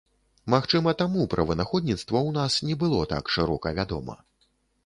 Магчыма, таму пра вынаходніцтва ў нас не было так шырока вядома.